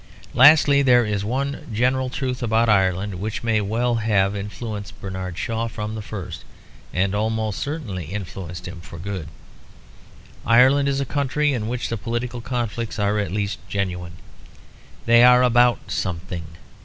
Lastly, there is one general truth about Ireland which may very well have influenced Bernard Shaw from the first; and almost certainly influenced him for good. Ireland is a country in which the political conflicts are at least genuine; they are about something.